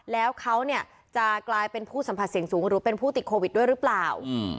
แล้วเขาเนี่ยจะกลายเป็นผู้สัมผัสเสี่ยงสูงหรือเป็นผู้ติดโควิดด้วยหรือเปล่า